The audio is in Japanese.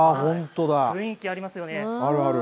雰囲気ありますよね。